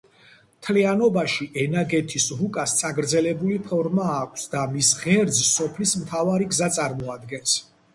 მთლიანობაში, ენაგეთის რუკას წაგრძელებული ფორმა აქვს და მის ღერძს სოფლის მთავარი გზა წარმოადგენს.